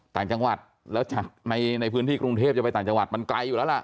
ต่างจังหวัดแล้วในพื้นที่กรุงเทพจะไปต่างจังหวัดมันไกลอยู่แล้วล่ะ